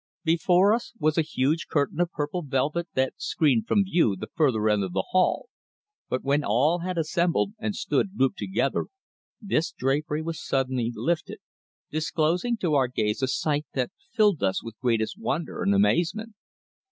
Before us was a huge curtain of purple velvet that screened from view the further end of the hall, but when all had assembled and stood grouped together, this drapery was suddenly lifted, disclosing to our gaze a sight that filled us with greatest wonder and amazement.